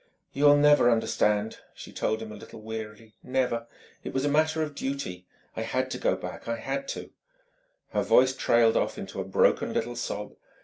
"You'll never understand," she told him a little wearily "never. It was a matter of duty. I had to go back I had to!" Her voice trailed off into a broken little sob.